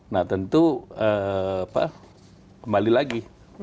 nah tentu kembali lagi